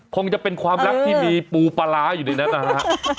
คงจะเป็นความรักที่มีปูปลาร้าอยู่ในนั้นนะฮะ